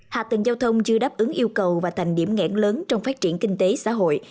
hạ tầng giao thông chưa đáp ứng yêu cầu và thành điểm ngãn lớn trong phát triển kinh tế xã hội